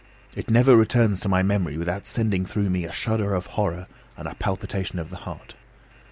It never returns to my memory without sending through me a shudder of horror and a palpitation of the heart.